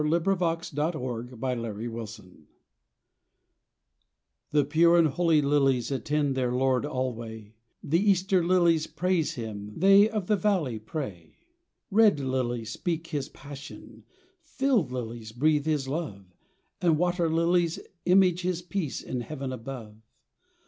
EASTER CAROLS 31 EASTER LILIES / T A HE pure and holy lilies ■*■ Attend their Lord alway The Easter lilies praise Him, They "of the valley" pray. Red lilies speak His passion, Field lilies breathe His love, And Water lilies image His peace in heaven above.